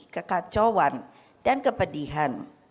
kekacauan dan kepedihan